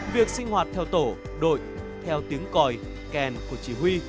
việc sinh hoạt theo tổ đội theo tiếng còi kèn của chỉ huy